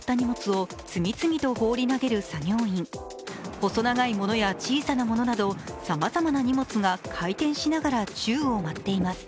細長いものや小さなものなどさまざまな荷物が回転しながら宙を舞っています。